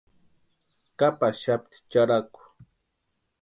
Kapaxapti charhaku.